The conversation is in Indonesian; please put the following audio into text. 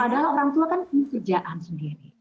padahal orang tua kan punya kerjaan sendiri